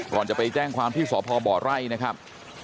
ก่อนจะไปแจ้งความที่สพบไร่นะครับ